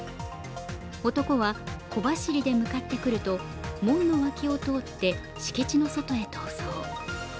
男は小走りで向かってくると、門の脇を通って敷地の外へ逃走。